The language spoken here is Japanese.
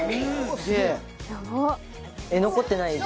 残ってない？